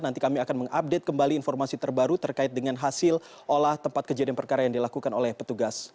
nanti kami akan mengupdate kembali informasi terbaru terkait dengan hasil olah tempat kejadian perkara yang dilakukan oleh petugas